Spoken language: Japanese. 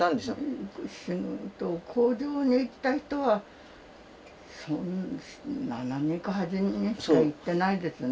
工場に行った人は７人か８人しか行ってないですね。